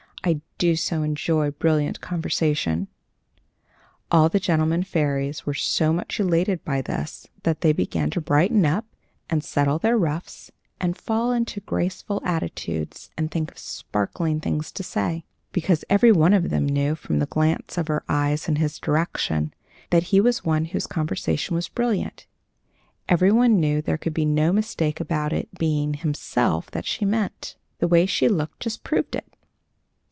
"I do so enjoy brilliant conversation." All the gentlemen fairies were so much elated by this that they began to brighten up, and settle their ruffs, and fall into graceful attitudes, and think of sparkling things to say; because every one of them knew, from the glance of her eyes in his direction, that he was one whose conversation was brilliant; every one knew there could be no mistake about its being himself that she meant. The way she looked just proved it.